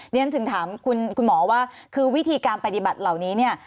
เรียนถึงถามคุณหมอว่าคือวิธีการปฏิบัติเหล่านี้เนี่ย